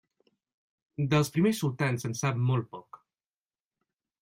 Dels primers sultans se'n sap molt poc.